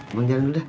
abang jalan dulu dah